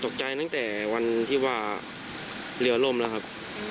ตกใจตั้งแต่วันที่ว่าเหลี่ยวลมแล้วครับ